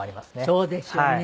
そうですよね。